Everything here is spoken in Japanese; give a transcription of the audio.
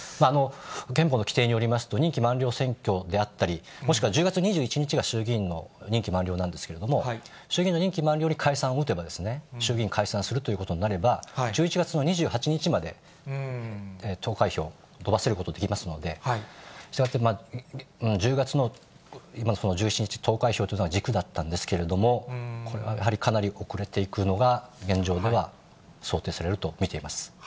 憲法の規定によりますと、任期満了選挙であったり、もしくは１０月２１日が衆議院の任期満了なんですけれども、衆議院の任期満了に解散を打てば、衆議院解散するということになれば、１１月の２８日まで投開票、延ばせることできますので、したがって、１０月の、今のところ１７日投開票というのが軸だったんですけれども、これはやはりかなり遅れていくのが現状では想定されると見ています。